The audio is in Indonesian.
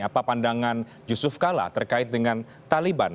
apa pandangan yusuf kala terkait dengan taliban